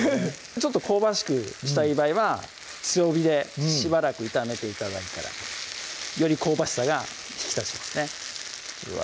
ちょっと香ばしくしたい場合は強火でしばらく炒めて頂いたらより香ばしさが引き立ちますねうわ